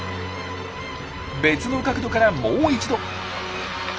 別の角度からもう一度。